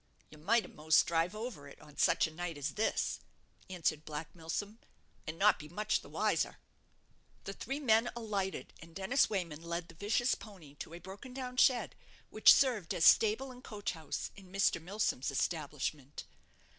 "You might a'most drive over it on such a night as this," answered Black Milsom, "and not be much the wiser." The three men alighted, and Dennis Wayman led the vicious pony to a broken down shed, which served as stable and coach house in Mr. Milsom's establishment.